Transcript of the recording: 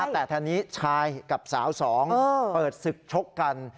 แต่ทีนี้ชายกับสาวสองเปิดศึกชกกัน